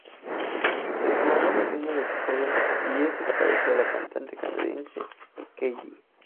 Se declaró lesbiana desde joven y es ex pareja de la cantante canadiense k.d.